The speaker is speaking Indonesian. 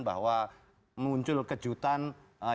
bahwa muncul kejutaniran